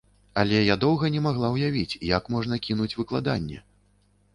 Але я доўга не магла ўявіць, як можна кінуць выкладанне.